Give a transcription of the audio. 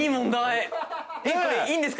これいいんですか？